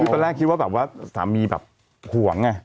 คือตอนแรกคิดว่าแบบว่าสามีแบบห่วงไง